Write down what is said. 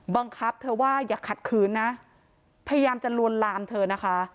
บังคับเธอว่าอย่าขัดขืนนะพยายามจะลวนลามเธอนะคะ